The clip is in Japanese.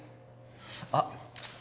あっ。